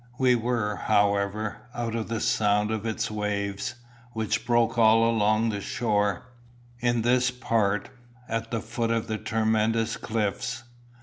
We were, however, out of the sound of its waves, which broke all along the shore, in this part, at the foot of tremendous cliffs.